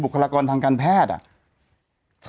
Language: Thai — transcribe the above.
บุคลากรทางการแพทย์อ่ะ